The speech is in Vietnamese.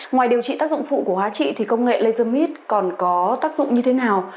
ngoài điều trị tác dụng phụ của hóa trị thì công nghệ lasermit còn có tác dụng như thế nào